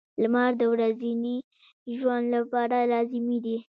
• لمر د ورځني ژوند لپاره لازمي دی.